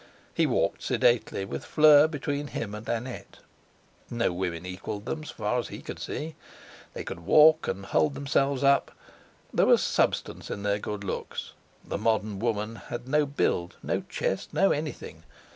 He walked sedately with Fleur between him and Annette. No women equalled them, so far as he could see. They could walk, and hold themselves up; there was substance in their good looks; the modern woman had no build, no chest, no anything!